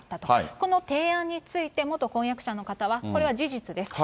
この提案について、元婚約者の方は、これは事実ですと。